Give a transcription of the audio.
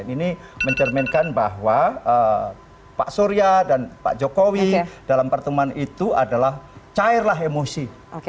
ini mencerminkan bahwa pak surya dan pak jokowi dalam pertemuan itu adalah cairlah emosi